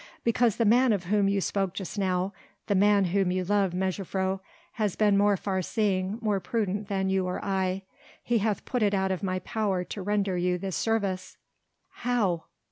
"Because the man of whom you spoke just now, the man whom you love, mejuffrouw, has been more far seeing, more prudent than you or I. He hath put it out of my power to render you this service." "How?"